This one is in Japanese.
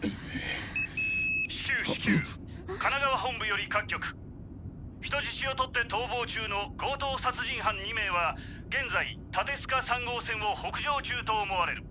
至急至急神奈川本部より各局人質をとって逃亡中の強盗殺人犯２名は現在館須賀３号線を北上中と思われる。